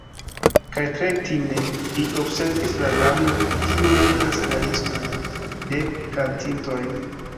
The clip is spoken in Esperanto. Kaj tre time li observis la Damon, kiu legas la liston de kantintoj.